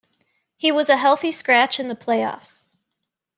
He was a healthy scratch in the playoffs.